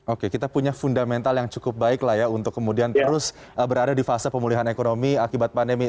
oke kita punya fundamental yang cukup baik lah ya untuk kemudian terus berada di fase pemulihan ekonomi akibat pandemi